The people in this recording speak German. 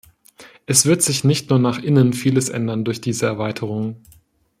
Es wird sich nicht nur nach innen vieles ändern durch diese Erweiterung.